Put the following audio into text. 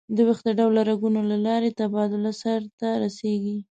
د ویښته ډوله رګونو له لارې تبادله سر ته رسېږي.